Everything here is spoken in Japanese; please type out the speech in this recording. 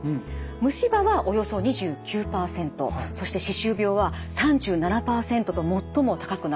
虫歯はおよそ２９％そして歯周病は３７％と最も高くなっているんです。